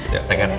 ya take care